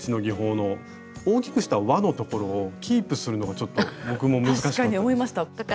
大きくした輪のところをキープするのがちょっと僕も難しかったです。